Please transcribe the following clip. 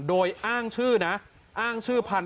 โดยอ้างชื่อนะอ้างชื่อพัน